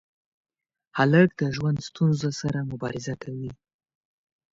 هلک د ژوند ستونزو سره مبارزه کوي.